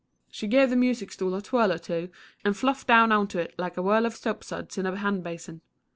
She gave the music stool a twirl or two and fluffed down on to it like a whirl of soap suds in a hand basin.